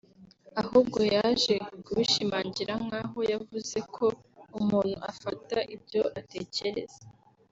ahubwo yaje kubishimangira nk’aho yavuze ko “Umuntu afata ibyo atekereza